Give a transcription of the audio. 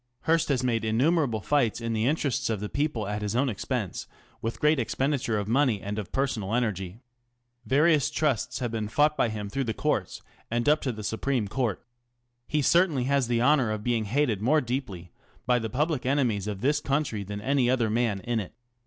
Hearst has made innumerable fights in the interest of the people at his own expense, with gTeal expenditure of money and of personal energy. Variou . trusts have been fought by him through the courts and up to the Supreme Court. Hecertainly has the honour of being hated more deeply by the public enemies of this country than any other man in it.